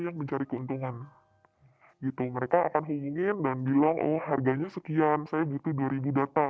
yang mencari keuntungan gitu mereka akan hubungin dan bilang oh harganya sekian saya butuh dua ribu data